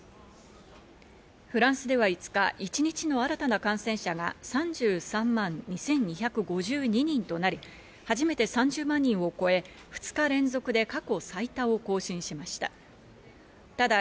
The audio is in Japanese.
フランスでは５日、一日の新たな感染者が３３万２２５２人となり、初めて３０万人を超え、２日連続で過去最多を更新しました。